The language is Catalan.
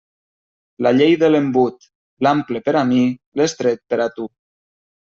La llei de l'embut: l'ample per a mi, l'estret per a tu.